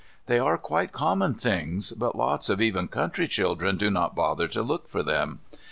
They are quite common things, but lots of even country children do not bother to look for them.